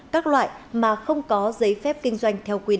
các loại mà không có giấy phép kinh doanh theo quy định